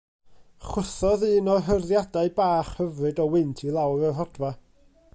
Chwythodd un o'r hyrddiadau bach hyfryd o wynt i lawr y rhodfa.